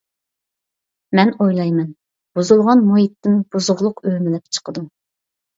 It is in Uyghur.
مەن ئويلايمەن : بۇزۇلغان مۇھىتتىن بۇزۇقلۇق ئۆمىلەپ چىقىدۇ.